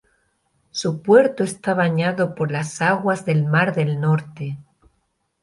Su puerto está bañado por las aguas del Mar del Norte.